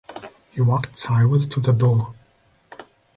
He walked sideways to the door.